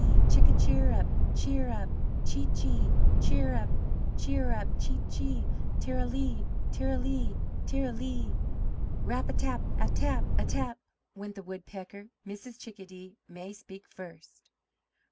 Chicka " "Cheerup, cheerup, chee chee! Cheerup, cheerup, chee chee!" "Ter ra lee, ter ra lee, ter ra lee!" "Rap atap atap atap!" went the woodpecker; "Mrs. Chickadee may speak first."